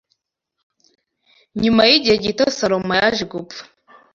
Nyuma y’igihe gito Salomo yaje gupfa.